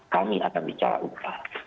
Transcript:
kami akan bicara upah